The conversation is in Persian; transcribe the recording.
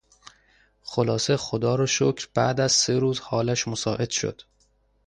خلاصه خدا رو شکر بعد از سه روز حالش مساعد شد